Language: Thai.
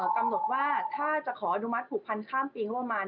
กำหนดว่าถ้าจะขออนุมัติผูกพันข้ามปีงบประมาณ